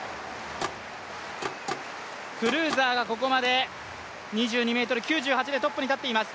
クルーザーがここまでトップに立っています。